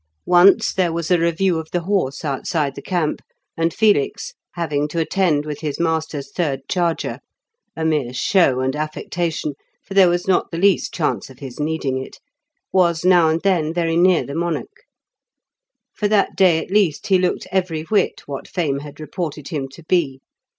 Once there was a review of the horse outside the camp, and Felix, having to attend with his master's third charger (a mere show and affectation, for there was not the least chance of his needing it), was now and then very near the monarch. For that day at least he looked every whit what fame had reported him to be.